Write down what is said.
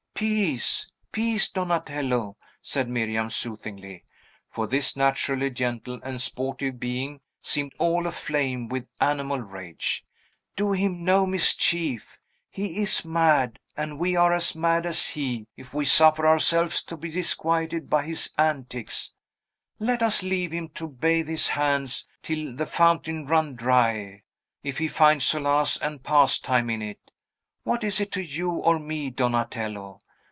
"Peace, peace, Donatello!" said Miriam soothingly, for this naturally gentle and sportive being seemed all aflame with animal rage. "Do him no mischief! He is mad; and we are as mad as he, if we suffer ourselves to be disquieted by his antics. Let us leave him to bathe his hands till the fountain run dry, if he find solace and pastime in it. What is it to you or me, Donatello?